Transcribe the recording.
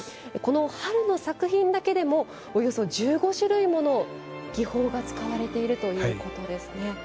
春の作品だけでもおよそ１５種類もの技法が使われているということですね。